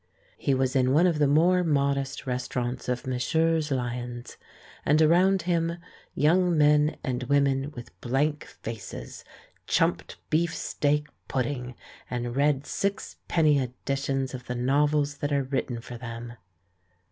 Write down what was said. He was in one of the more modest restau rants of Messrs. Lyons, and around him young men and women with blank faces chumped beef steak pudding, and read sixpenny editions of the novels that are written for them.